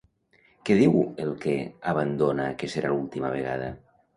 Què diu el que abandona que serà l'última vegada?